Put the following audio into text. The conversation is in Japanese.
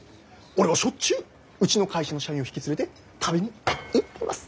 俺はしょっちゅううちの会社の社員を引き連れて食べに行ってます。